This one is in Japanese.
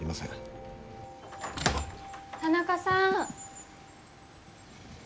田中さん。